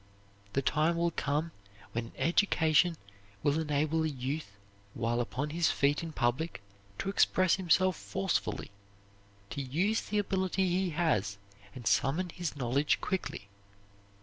The time will come when an education will enable a youth while upon his feet in public to express himself forcefully, to use the ability he has and summon his knowledge quickly.